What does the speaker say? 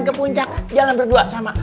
ke puncak jalan berdua sama